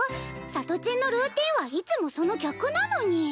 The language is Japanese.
さとちんのルーティンはいつもその逆なのに。